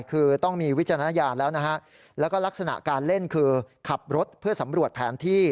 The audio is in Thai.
คือต้องมีวิจารณญาณแล้วนะฮะแล้วก็ลักษณะการเล่นคือขับรถเพื่อสำรวจแผนที่